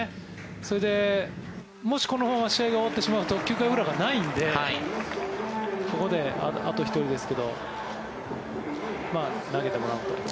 それでもしこのまま試合が終わってしまうと９回裏がないのでここであと１人ですけど投げてもらおうと。